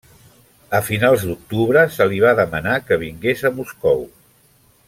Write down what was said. A finals d'octubre, se li va demanar que vingués a Moscou.